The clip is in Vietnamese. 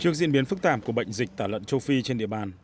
trước diễn biến phức tạp của bệnh dịch tả lợn châu phi trên địa bàn